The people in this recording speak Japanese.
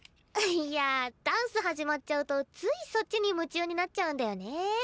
いやダンス始まっちゃうとついそっちに夢中になっちゃうんだよね。